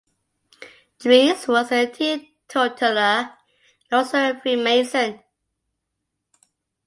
Drees was a Teetotaler, and also a Freemason.